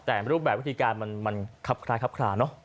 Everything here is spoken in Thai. แต่รูปแบบวิธีการมันครับคล้ายครับคลาเนอะ